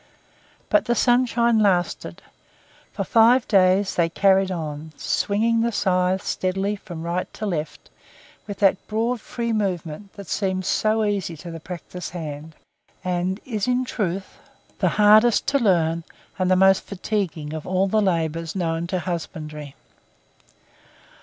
But the sunshine lasted. For five days they carried on, swinging the scythe steadily from right to left with that broad free movement that seems so easy to the practised hand, and is in truth the hardest to learn and the most fatiguing of all the labours known to husbandry.